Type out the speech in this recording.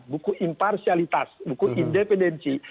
buku imparsialitas buku independensi